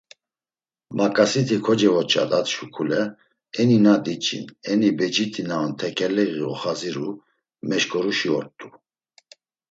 Maǩasiti kocevoç̌adat şuǩule eni na diç̌in, eni becit̆i na on tekeleği oxaziru, meşǩoruşi ort̆u.